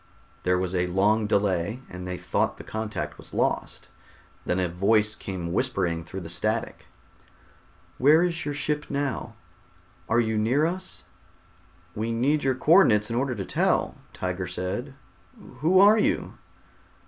There was a long delay and they thought the contact was lost. Then a voice came whispering through the static. "Where is your ship now? Are you near to us?" "We need your co ordinates in order to tell," Tiger said. "Who are you?"